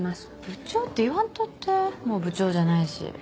部長って言わんとってもう部長じゃないし。